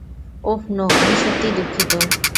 ওহ, no, আমি সত্যিই দুঃখিত।